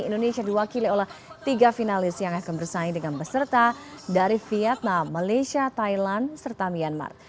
indonesia diwakili oleh tiga finalis yang akan bersaing dengan peserta dari vietnam malaysia thailand serta myanmar